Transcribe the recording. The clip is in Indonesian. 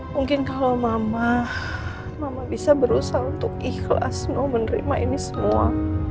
mungkin kalau mama mama bisa berusaha untuk ikhlas menerima ini semua